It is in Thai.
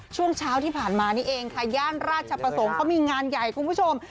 ช่วงเช้าที่ผ่านมานี่เองค่ะย่านราชประสงค์เขามีงานใหญ่คุณผู้ชม